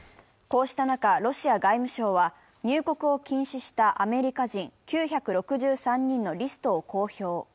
こうした中、ロシア外務省は、入国を禁止したアメリカ人９６３人のリストを公表。